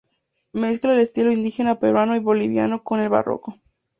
Mezcla el estilo indígena peruano y boliviano con el barroco.